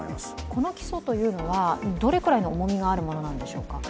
この起訴というのは、どのくらいの重みがあるものなんでしょうか。